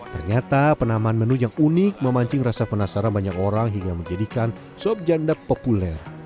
ternyata penamaan menu yang unik memancing rasa penasaran banyak orang hingga menjadikan sop janda populer